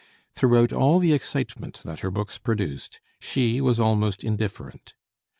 Throughout all the excitement that her books produced, she was almost indifferent.